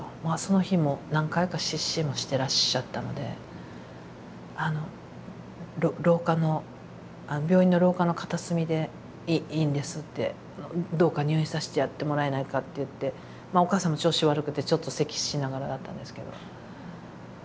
まあその日も何回か失神もしてらっしゃったので「病院の廊下の片隅でいいんです」って「どうか入院させてやってもらえないか」って言ってお母さんも調子悪くてちょっとせきしながらだったんですけど。